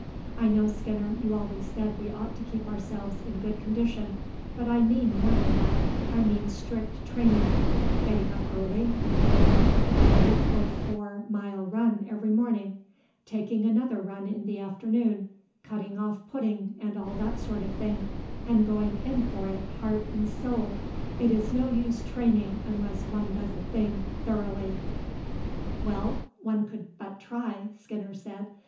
I know, Skinner, you always said we ought to keep ourselves in good condition; but I mean more than that, I mean strict training getting up early and going for a three or four mile run every morning, taking another run in the afternoon, cutting off pudding and all that sort of thing, and going in for it heart and soul. It is no use training unless one does a thing thoroughly." "Well, one could but try," Skinner said.